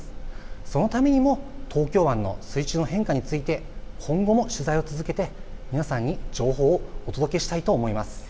そのためにも東京湾の水中の変化について今後も取材を続けて皆さんに情報をお届けしたいと思います。